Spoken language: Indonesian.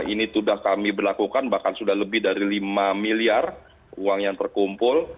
ini sudah kami berlakukan bahkan sudah lebih dari lima miliar uang yang terkumpul